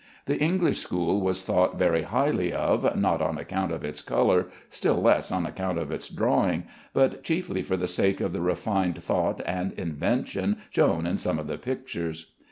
The English school was thought very highly of not on account of its color, still less on account of its drawing, but chiefly for the sake of the refined thought and invention shown in some of the pictures.